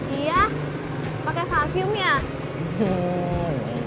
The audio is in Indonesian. iya pakai parfumnya